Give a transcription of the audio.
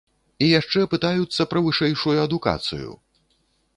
І яшчэ пытаюцца пра вышэйшую адукацыю!